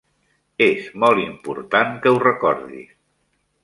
És molt important que ho recordis.